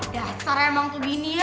dasar emang tuh gini ya